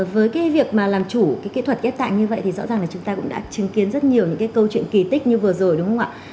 với cái việc mà làm chủ cái kỹ thuật ghép tạng như vậy thì rõ ràng là chúng ta cũng đã chứng kiến rất nhiều những cái câu chuyện kỳ tích như vừa rồi đúng không ạ